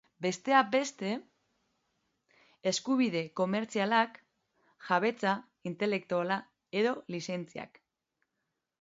Besteak beste, eskubide komertzialak, jabetza intelektuala edo lizentziak.